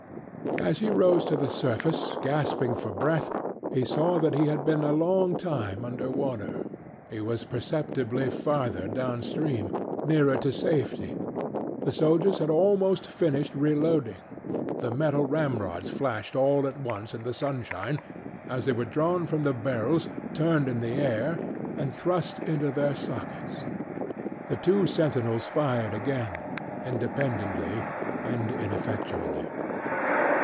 As he rose to the surface, gasping for breath, he saw that he had been a long time under water; he was perceptibly farther down stream nearer to safety. The soldiers had almost finished reloading; the metal ramrods flashed all at once in the sunshine as they were drawn from the barrels, turned in the air, and thrust into their sockets. The two sentinels fired again, independently and ineffectually.